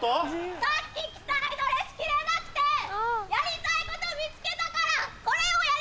さっき着たいドレス着れなくてやりたいこと見つけたからこれをやりたい！